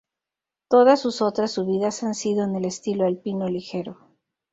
Todas sus otras subidas han sido en el estilo alpino ligero.